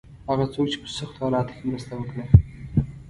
هغه څوک چې په سختو حالاتو کې مرسته وکړه.